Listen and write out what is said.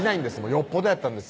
よっぽどやったんですよ